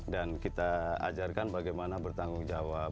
dan kita ajarkan bagaimana bertanggung jawab